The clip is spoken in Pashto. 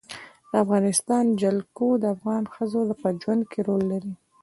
د افغانستان جلکو د افغان ښځو په ژوند کې رول لري.